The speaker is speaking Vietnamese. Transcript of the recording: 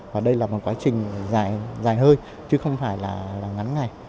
và đây là một quá trình dài hơi chứ không phải là ngắn ngày